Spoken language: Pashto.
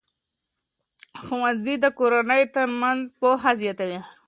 ښوونځي د کورنیو ترمنځ پوهه زیاتوي.